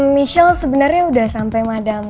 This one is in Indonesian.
michelle sebenarnya udah sampai madam